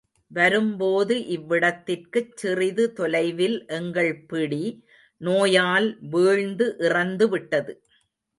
வரும்போது இவ்விடத்திற்குச் சிறிது தொலைவில் எங்கள் பிடி நோயால் வீழ்ந்து இறந்து விட்டது.